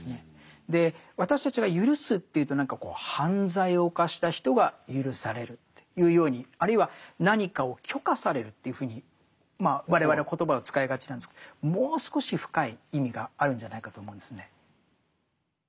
私たちがゆるすというと何か犯罪を犯した人がゆるされるというようにあるいは何かを許可されるというふうに我々は言葉を使いがちなんですけどもう少し深い意味があるんじゃないかと思うんですね。